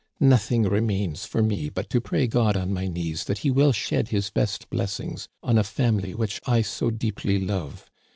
Nothing remains for me but to pray God on my knees that he will shed his best blessings on a family which I so deeply love